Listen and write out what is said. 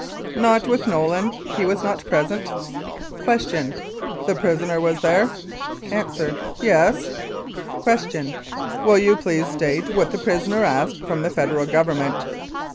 Not with Nolin. He was not present. Q. The prisoner was there? A. Yes. Q. Will you please state what the prisoner asked from the Federal Government?